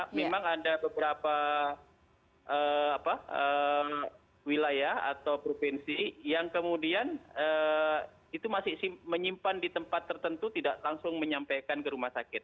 jadi sudah ada beberapa wilayah atau provinsi yang kemudian itu masih menyimpan di tempat tertentu tidak langsung menyampaikan ke rumah sakit